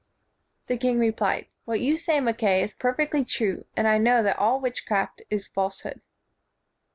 The king replied, "What you say, Mac kay, is perfectly true, and I know that all witchcraft is falsehood."